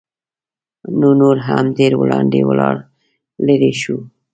نو نور هم ډېر وړاندې ولاړ لېرې شو.